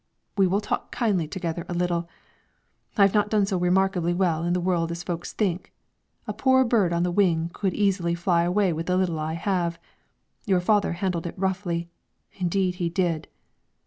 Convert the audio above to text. We will talk kindly together a little; I have not done so remarkably well in the world as folks think; a poor bird on the wing could easily fly away with the little I have; your father handled it roughly, indeed he did.